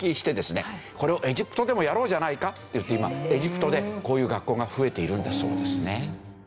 これをエジプトでもやろうじゃないかっていって今エジプトでこういう学校が増えているんだそうですね。